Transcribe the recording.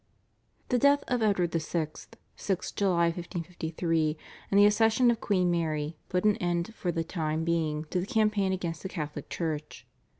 The death of Edward VI. (6 July 1553) and the accession of Queen Mary put an end for the time being to the campaign against the Catholic Church.